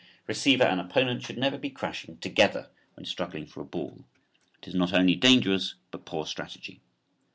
Receiver and opponent should never be crashing together when struggling for a ball. It is not only dangerous but poor strategy.